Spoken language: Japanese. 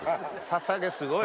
ささげすごい。